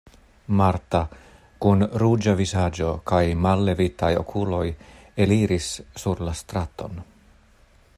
Marta kun ruĝa vizaĝo kaj mallevitaj okuloj eliris sur la straton.